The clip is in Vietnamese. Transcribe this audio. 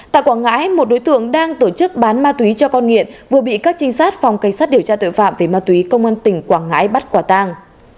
tại quảng ngãi một đối tượng đang tổ chức bán ma túy cho con nghiện vừa bị các trinh sát phòng cảnh sát điều tra tội phạm về ma túy công an tỉnh quảng ngãi bắt quả tàng